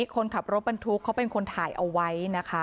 คนขับรถบรรทุกเขาเป็นคนถ่ายเอาไว้นะคะ